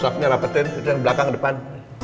suapnya rapetin itu yang belakang depan